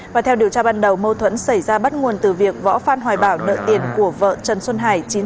và theo điều tra ban đầu mâu thuẫn xảy ra bắt nguồn từ việc võ phan hoài bảo nợ tiền của vợ trần xuân hải